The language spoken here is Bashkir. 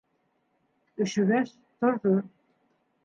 Өшөгәс, торҙо.